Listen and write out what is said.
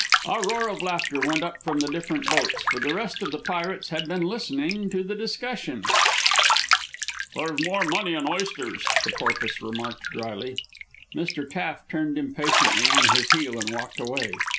A roar of laughter went up from the different boats, for the rest of the pirates had been listening to the discussion. "There's more money in oysters," the Porpoise remarked dryly. Mr. Taft turned impatiently on his heel and walked away.